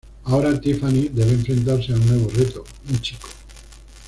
Ahora Tiffany debe enfrentarse a un nuevo reto, un chico.